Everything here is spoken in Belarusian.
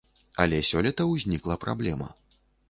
Але сёлета ўзнікла праблема.